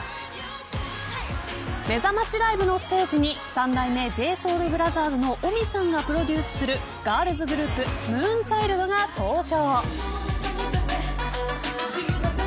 めざましライブのスポーツに三代目ＪＳｏｕｌＢｒｏｔｈｅｒｓの臣さんがプロデュースするガールズグループＭＯＯＮＣＨＩＬＤが登場。